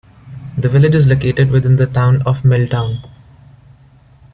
The village is located within the Town of Milltown.